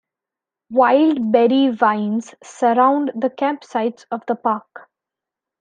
Wild berry vines surround the campsites of the park.